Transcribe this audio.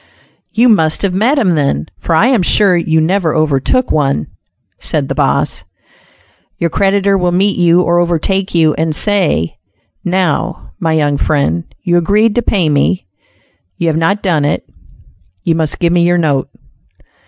"You must have met him then, for I am sure you never overtook one," said the "boss." Your creditor will meet you or overtake you and say, "Now, my young friend, you agreed to pay me; you have not done it, you must give me your note."